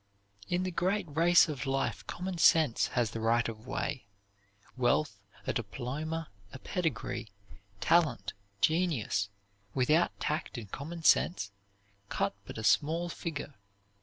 In the great race of life common sense has the right of way. Wealth, a diploma, a pedigree, talent, genius, without tact and common sense, cut but a small figure.